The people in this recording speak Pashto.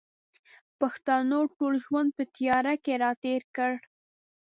پښتنو ټول ژوند په تیاره کښې را تېر کړ